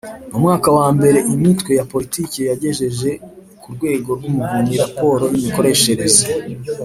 Mu mwaka wa mbere imitwe ya Politiki yagejeje ku Rwego rw Umuvunyi raporo y imikoreshereze